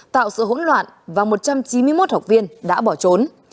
tạo sự hỗn loạn và một trăm chín mươi một học viên đã bỏ trốn